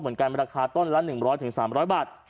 เหมือนกันราคาต้นละ๑๐๐๓๐๐บาท